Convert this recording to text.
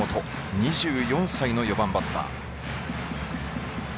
２４歳の４番バッター。